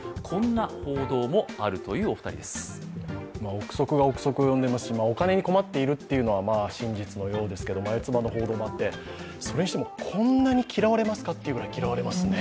憶測が憶測を呼んでいますし、お金に困っているというのはまあ真実のようですけど眉唾の報道もあって、それにしてもこんなに嫌われますか？というぐらい嫌われてますね